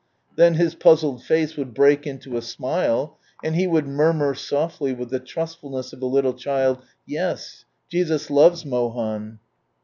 Then his puzzled face would break into a smile, and he would murmur softly with the trustfulness of a little child, " Yes, Jesus loves Mohan."